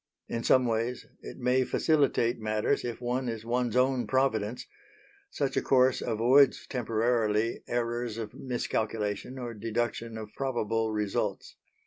In some ways it may facilitate matters if one is one's own Providence; such a course avoids temporarily errors of miscalculation or deduction of probable results.